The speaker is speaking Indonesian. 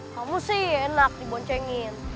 kamu sih enak diboncengin